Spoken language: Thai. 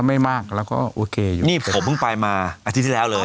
ไม่มากแล้วก็โอเคอยู่นี่ผมเพิ่งไปมาอาทิตย์ที่แล้วเลย